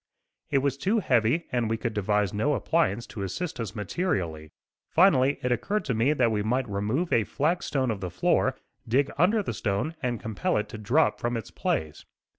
It was too heavy and we could devise no appliance to assist us materially. Finally it occurred to me that we might remove a flag stone of the floor, dig under the stone and compel it to drop from its place.